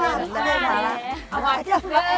หนึ่งสองซ้ำยาดมนุษย์ป้า